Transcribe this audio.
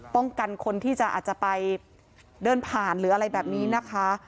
คนที่จะอาจจะไปเดินผ่านหรืออะไรแบบนี้นะคะ